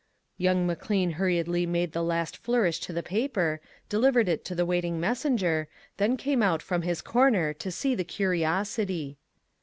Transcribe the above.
Young McLean hurriedly made the last flourish to the paper, delivered it to the waiting messenger, then came out from his corner to see the curiosity.